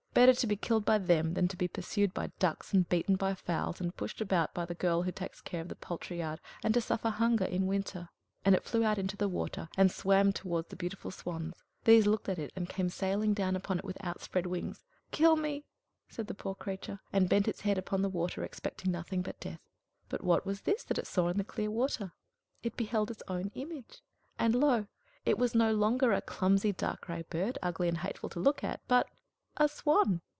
Better to be killed by them than to be pursued by ducks, and beaten by fowls, and pushed about by the girl who takes care of the poultry yard, and to suffer hunger in winter!" And it flew out into the water, and swam towards the beautiful swans; these looked at it, and came sailing down upon it with outspread wings. "Kill me!" said the poor creature, and bent its head down upon the water, expecting nothing but death. But what was this that it saw in the clear water? It beheld its own image; and, lo! it was no longer a clumsy dark gray bird, ugly and hateful to look at, but a swan!